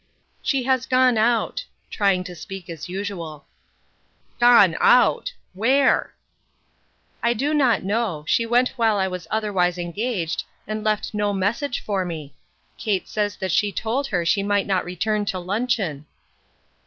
"She has gone out, " trying to speak as usual. " Gone out ! Where ?"" I do not know ; she went while I was other wise engaged, and left no message for me ; Kate 2l8 STORMY WEATHER. says she told her she might not return to lnncheon."